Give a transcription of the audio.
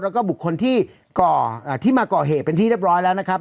แล้วก็บุคคลที่มาก่อเหตุเป็นที่เรียบร้อยแล้วนะครับ